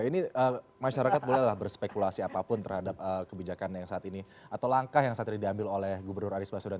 ini masyarakat bolehlah berspekulasi apapun terhadap kebijakan yang saat ini atau langkah yang saat ini diambil oleh gubernur anies baswedan